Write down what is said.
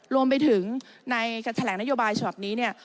รวมไปถึงในการแถลงนโยบายฉบับนี้เนี่ย